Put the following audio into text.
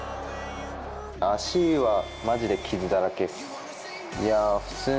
足はまじで傷だらけっす。